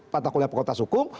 patah kuliah pokok tas hukum